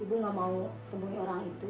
ibu gak mau temui orang itu